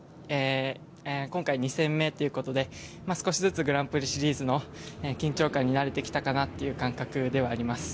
今回、２戦目ということで少しずつグランプリシリーズの緊張感に慣れてきたかなという感覚ではあります。